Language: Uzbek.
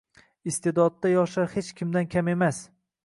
Iste’dodda yoshlar hech kimdan kam emas